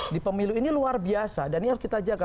di pemilu ini luar biasa dan ini harus kita jaga